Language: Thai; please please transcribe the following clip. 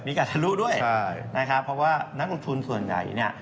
โอกาสทะลุด้วยนะครับเพราะว่านักรบทุนส่วนใหญ่นี่